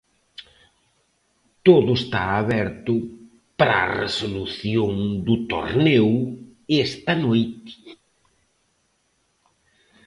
Todo está aberto para a resolución do torneo esta noite.